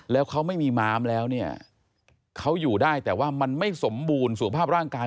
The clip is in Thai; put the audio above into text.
แล้วเขาไม่มีม้ามแล้วเนี่ยเขาอยู่ได้แต่ว่ามันไม่สมบูรณ์สุขภาพร่างกาย